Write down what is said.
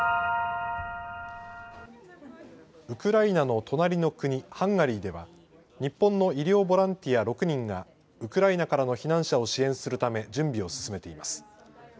ウクライナの隣の国、ハンガリーでは日本の医療ボランティア６人がウクライナからの避難者を支援するため準備を進めています。